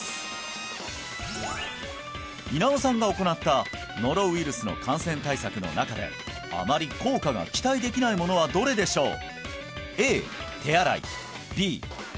稲尾さんが行ったノロウイルスの感染対策の中であまり効果が期待できないものはどれでしょう？